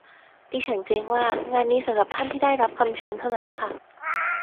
ดิฉันเกรงว่างานนี้สำหรับท่านที่ได้รับคำเชิญเท่านั้นค่ะ